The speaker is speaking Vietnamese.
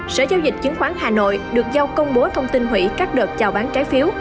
sở giao dịch chứng khoán hà nội được giao công bố thông tin hủy các đợt chào bán trái phiếu